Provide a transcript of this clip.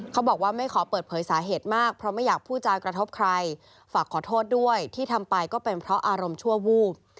เขาบอกว่าไม่ขอเปิดเผยสาเหตุมากเพราะไม่อยากพูดจากกระทบใครฝากขอโทษด้วยที่ทำไปก็เป็นเพราะอารมณ์ชั่ววูบ